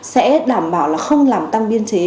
sẽ đảm bảo là không làm tăng biên chế